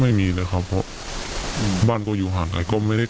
ไม่มีเลยครับเพราะบ้านก็อยู่ห่างไหน